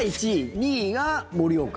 ２位が盛岡？